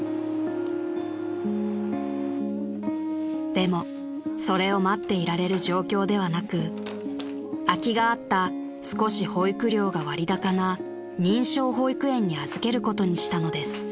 ［でもそれを待っていられる状況ではなく空きがあった少し保育料が割高な認証保育園に預けることにしたのです］